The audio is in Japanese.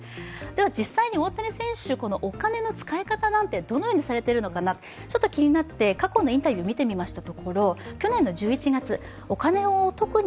では実際に大谷選手、お金の使い方なんて、どのようにされているのか過去のインタビューを見てみました。